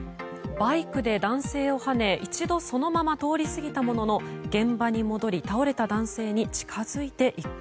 バイクで男性をはね一度そのまま通り過ぎたものの現場に戻り倒れた男性に近づいていく。